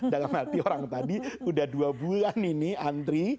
dalam arti orang tadi udah dua bulan ini antri